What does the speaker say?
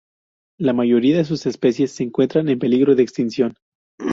La mayoría de sus especies se encuentran en peligro de extinción.